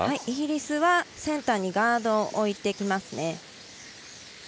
イギリスはセンターにガードを置いてきますね。